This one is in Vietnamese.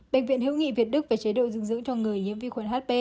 bệnh viện hữu nghị việt đức về chế độ dinh dưỡng cho người nhiễm vi khuẩn hp